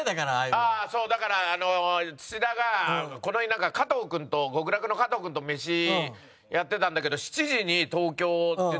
ああそうだから土田がこの日極楽の加藤君とメシやってたんだけど７時に東京って。